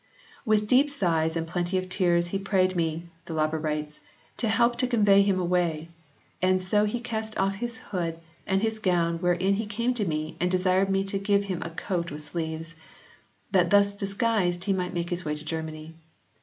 "With deep sighs and plenty of tears he prayed me/ Dalaber writes, " to help to convey him away, and so he cast off his hood and his gown wherein he came to me and desired me to give him a coat with sleeves that thus disguised he might make his way to Germany.